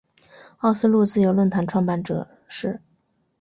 奥斯陆自由论坛创办者是。